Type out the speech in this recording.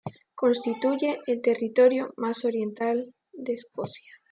Constituye el territorio más oriental de Escocia.